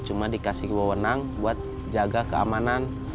cuma dikasih ke wawenang buat jaga keamanan